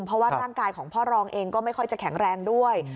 เพราะว่าร่างกายของพ่อรองเองก็ไม่ค่อยจะแข็งแรงด้วย